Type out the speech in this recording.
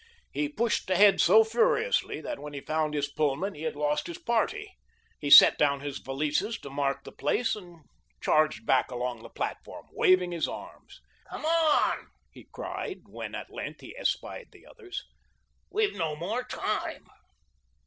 He rushed ahead so furiously that when he had found his Pullman he had lost his party. He set down his valises to mark the place and charged back along the platform, waving his arms. "Come on," he cried, when, at length, he espied the others. "We've no more time."